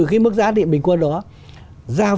cái mức giá điện bình quân đó giao